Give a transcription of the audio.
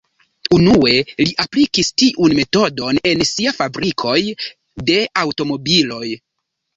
Unue li aplikis tiun metodon en sia fabrikoj de aŭtomobiloj.